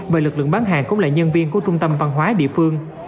và lực lượng bán hàng cũng là nhân viên của trung tâm văn hóa địa phương